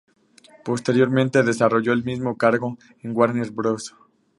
Posteriormente, desarrolló el mismo cargo en Warner Bros.